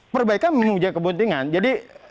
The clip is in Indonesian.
perbaikan bagi yang punya kepentingan jadi